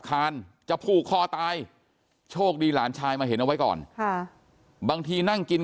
คานจะผูกคอตายโชคดีหลานชายมาเห็นเอาไว้ก่อนค่ะบางทีนั่งกิน